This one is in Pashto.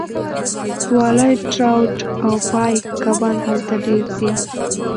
والای ټراوټ او پایک کبان هلته ډیر دي